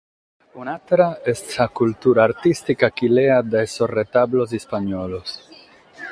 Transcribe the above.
Un’àtera est sa cultura artìstica chi leat dae sos retablos ispanniolos.